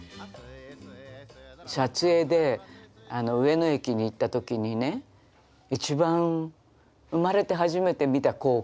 撮影で上野駅に行った時にね一番生まれて初めて見た光景。